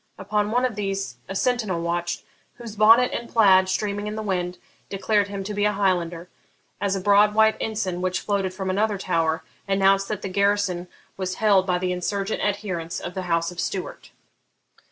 Upon one of these a sentinel watched, whose bonnet and plaid, streaming in the wind, declared him to be a Highlander, as a broad white ensign, which floated from another tower, announced that the garrison was held by the insurgent adherents of the House of Stuart.